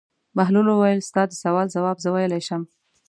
بهلول وویل: ستا د سوال ځواب زه ویلای شم.